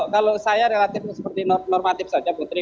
kalau saya relatif seperti normatif saja putri